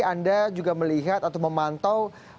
anda juga melihat atau memantau